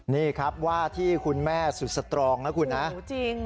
นี่ครับว่าที่คุณแม่สุดสตรองนะคุณนะรู้จริง